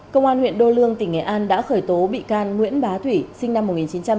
công an huyện đô lương tỉnh nghệ an đã khởi tố bị can nguyễn bá thủy sinh năm một nghìn chín trăm tám mươi